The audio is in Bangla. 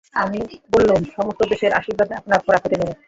আমি বললুম, সমস্ত দেশের আশীর্বাদে আপনার ফাঁড়া কেটে যাবে।